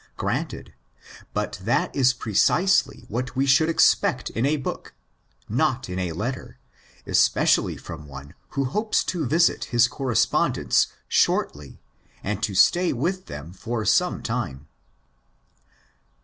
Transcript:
Granted; but that is precisely what we should expect in a book, not in a letter, especially from one who hopes to visit his correspondents shortly and to stay with them for some time.